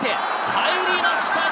入りました！